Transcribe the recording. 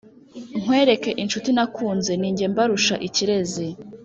Nkwereke inshuti nakunze ni njye mbarusha ikirezi